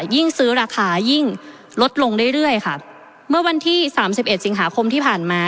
ยิ่งซื้อราคายิ่งลดลงเรื่อยเรื่อยค่ะเมื่อวันที่สามสิบเอ็ดสิงหาคมที่ผ่านมา